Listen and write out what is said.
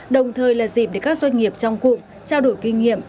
đồng thời là dịp để các doanh nghiệp trong cụm trao đổi kinh nghiệm